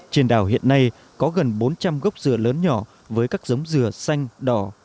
trên đảo hiện nay có gần bốn trăm linh gốc dừa lớn nhỏ với các giống dừa xanh đỏ